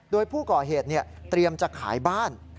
โดยผู้ก่อเหตุเตรียมจะขายบ้าน